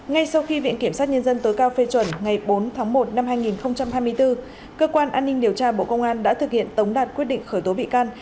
ngay sau khi viện kiểm sát nhân dân tối cao phê chuẩn ngày bốn tháng một năm hai nghìn hai mươi bốn cơ quan an ninh điều tra bộ công an đã thực hiện tống đạt quyết định khởi tố bị can